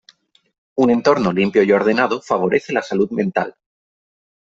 Un entorno limpio y ordenado favorece la salud mental.